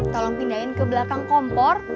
tolong pindahin ke belakang kompor